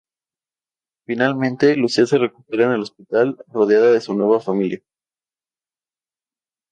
Finalmente, Lucía se recupera en el hospital, rodeada de su nueva familia.